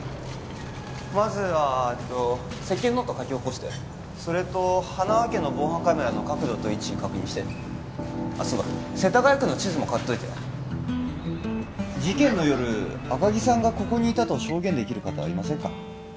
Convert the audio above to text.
まずはえーっと接見ノート書き起こしてそれと塙家の防犯カメラの角度と位置確認してあっそうだ世田谷区の地図も買っといて事件の夜赤木さんがここにいたと証言できる方はいませんか？